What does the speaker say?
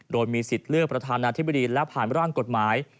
โดยมีสิทธิ์เลือกประธานาธิบดีและผ่านร่างกฎหมาย